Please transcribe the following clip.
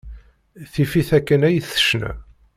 Tif-it akken ay tecna.